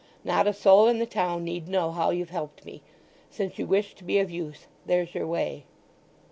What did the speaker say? Not a soul in the town need know how you've helped me. Since you wish to be of use, there's your way."